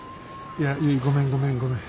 いやゆいごめんごめんごめん。